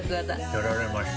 やられました。